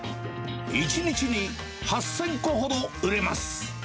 １日に８０００個ほど売れます。